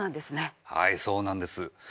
はいそうなんです。